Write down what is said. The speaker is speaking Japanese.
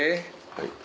はい。